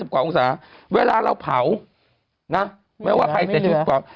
๕๐กว่าองศาเวลาเราเผานะแม้ว่าไฟจะอยู่ถึง๕๐กว่า